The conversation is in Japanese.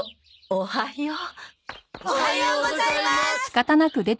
おおはよう。